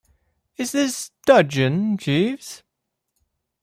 Is this dudgeon, Jeeves?